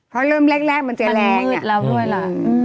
เพราะเริ่มแรกมันเจ๋งแรงมันมืดแล้วด้วยแหละ